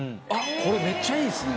これめっちゃいいですね。